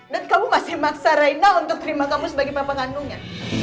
dan kamu masih maksa rena untuk terima kamu sebagai papa gandumnya